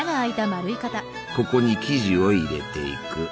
ここに生地を入れていく。